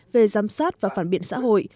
về giám sát và phản biện xã hội